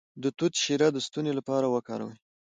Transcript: د توت شیره د ستوني لپاره وکاروئ